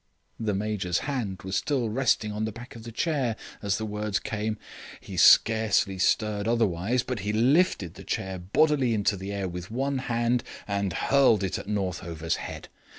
The Major's hand was still resting on the back of the chair as the words came. He scarcely stirred otherwise, but he lifted the chair bodily into the air with one hand and hurled it at Northover's head.